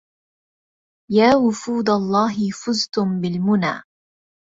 يا وفود الله فزتم بالمنى